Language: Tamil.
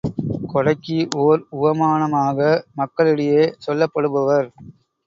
கொடைக்கு ஓர் உவமானமாக மக்களிடையே சொல்லப்படுபவர்.